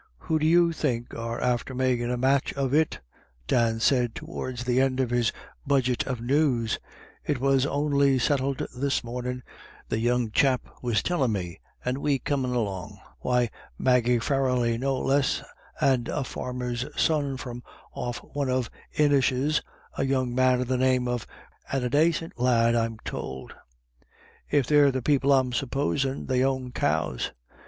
" Who do you think are after makin' a match of it ?" Dan said towards the end of his budget of news ;" it was only settled this mornin', the young chap was tellin' me, and we comin' along. Why, Maggie Farrelly, no less, and a farmer's son from off one of the Inishes, a young man of the name of M'Grenaghan, and a dacint lad I'm tould. If they're the people I'm supposin', they own cows.